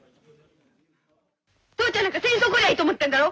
父ちゃんなんか戦争起こりゃいいと思ってんだろ